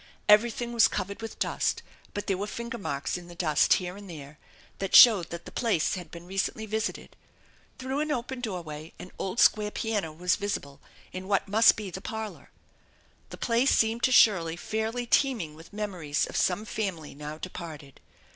Everything was covered with dust, but there were finger marks in the dust here and there that showed the place had been recently visited. Through an open doorway an old square piano was visible in what must 370 THE ENCHANTED BARN be the parlor. The place seemed to Shirley fairly teeming with memories of some family now departed.